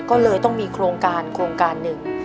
ก็เลยต้องมีโครงการโครงการหนึ่ง